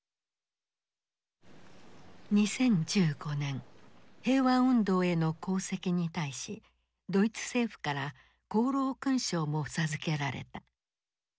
２０１５年平和運動への功績に対しドイツ政府から功労勲章も授けられた。